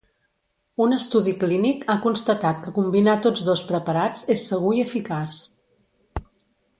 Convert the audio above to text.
Un estudi clínic ha constatat que combinar tots dos preparats és segur i eficaç.